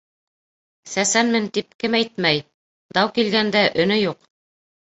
Сәсәнмен тип кем әйтмәй? -Дау килгәндә, өнө юҡ.